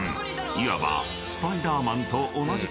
［いわば］